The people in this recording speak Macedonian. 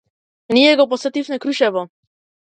Ние го посетивме Крушево.